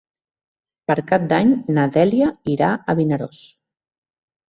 Per Cap d'Any na Dèlia irà a Vinaròs.